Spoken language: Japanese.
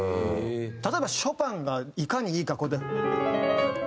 例えばショパンがいかにいい格好で。